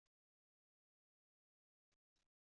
Inelmaden ay ulun ttuɣen dinni